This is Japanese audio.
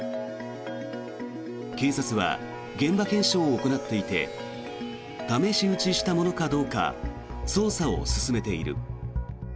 警察は現場検証を行っていて試し撃ちしたものかどうか捜査を進めている。